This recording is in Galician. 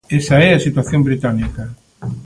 Esa é a situación británica.